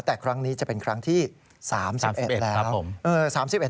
แต่ครั้งนี้จะเป็นครั้งที่๓๑แล้ว